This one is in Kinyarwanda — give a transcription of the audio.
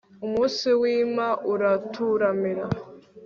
umunsi wima uraturamira